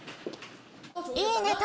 いいねと。